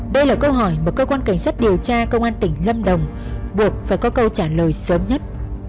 đây là câu hỏi mà cơ quan cảnh sát điều tra công an tỉnh lâm đồng buộc phải có câu trả lời sớm nhất